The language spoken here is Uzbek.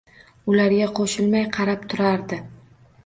Ularga qo’shilmay qarab turardi.